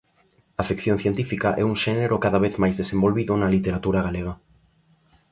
A ficción científica é un xénero cada vez máis desenvolvido na literatura galega.